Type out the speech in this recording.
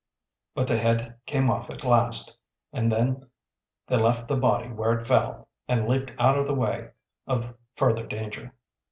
But the head came off at last and then they left the body where it fell, and leaped out of the way of further danger.